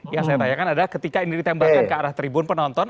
yang saya tanyakan adalah ketika ini ditembakkan ke arah tribun penonton